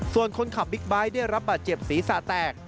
ส่วนคนขับบิ๊กไบท์ได้รับบาดเจ็บศีรษะแตก